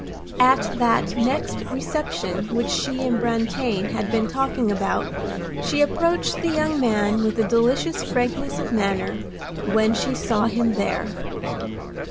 At that next reception which she and Brantain had been talking about she approached the young man with a delicious frankness of manner when she saw him there.